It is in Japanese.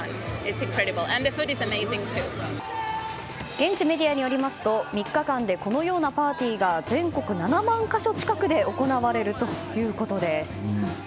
現地メディアによりますと３日間でこのようなパーティーが全国７万か所近くで行われるということです。